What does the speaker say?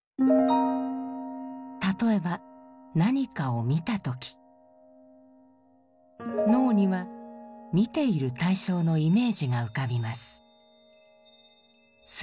例えば何かを見た時脳には見ている対象のイメージが浮かびます。